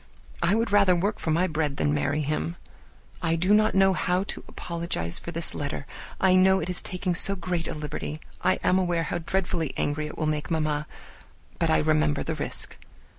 I would rather work for my bread than marry him. I do not know how to apologize enough for this letter; I know it is taking so great a liberty. I am aware how dreadfully angry it will make mamma, but I remember the risk.